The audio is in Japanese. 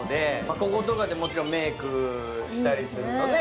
ここでもちろんメークしたりするとね。